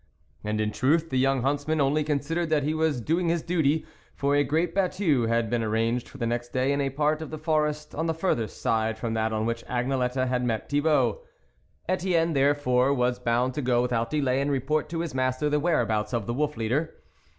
And in truth, the young huntsman only considered that he was doing his duty, for a great battue had been arranged for the next day in a part of the forest on the further side from that on which Agnelette had met Thibault. Etienne, therefore, was bound to go without delay and report to his master the whereabouts of the Wolf leader.